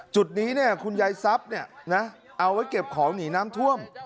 จุดนี้เนี้ยขวนยายซักเนี้ยนะเอาไว้เก็บของหนีน้ำท่วม